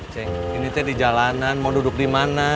ceng ini teh di jalanan mau duduk dimana